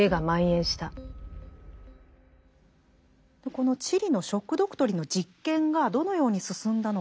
このチリの「ショック・ドクトリン」の実験がどのように進んだのか